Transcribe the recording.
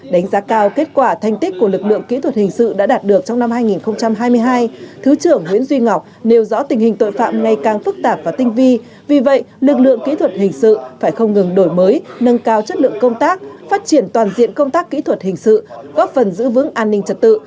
đánh giá cao kết quả thanh tích của lực lượng kỹ thuật hình sự đã đạt được trong năm hai nghìn hai mươi hai thứ trưởng nguyễn duy ngọc nêu rõ tình hình tội phạm ngày càng phức tạp và tinh vi vì vậy lực lượng kỹ thuật hình sự phải không ngừng đổi mới nâng cao chất lượng công tác phát triển toàn diện công tác kỹ thuật hình sự góp phần giữ vững an ninh trật tự